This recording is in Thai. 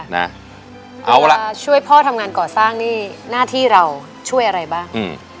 เอาล่ะช่วยพ่อทำงานก่อสร้างนี่หน้าที่เราช่วยอะไรบ้าง